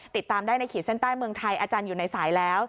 ติดตามได้ในขีดเส้นใต้เมืองไทยอาจารย์อยู่ในสายแล้ว